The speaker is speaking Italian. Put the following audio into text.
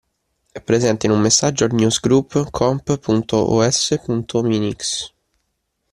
Presente in un messaggio al newsgroup comp.os.minix.